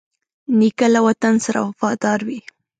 نیکه له وطن سره وفادار وي.